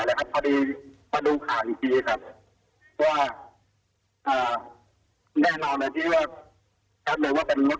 ก็เหมือนว่าเป็นมุษย์ที่ทำมามารับกับตัวน้องเข้าไปครับ